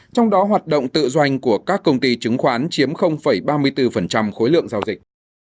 trong đó hoạt động tự doanh của các công ty chứng khoán chiếm ba mươi bốn khối lượng giao dịch